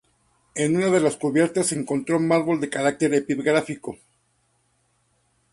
En una de las cubiertas se encontró mármol de carácter epigráfico.